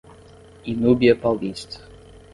Inúbia Paulista